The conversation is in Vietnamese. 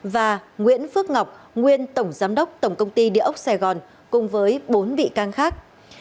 và nguyễn phước ngọc nguyên tổng giám đốc tổng công ty địa ốc sài gòn cùng với bốn bị can khác